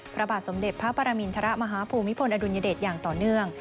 พระบาทสมเด็จพระปรมินทรมาฮภูมิพลอดุลยเดชอย่างต่อเนื่อง